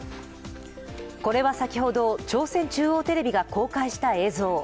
これは先ほど、朝鮮中央テレビが公開した映像。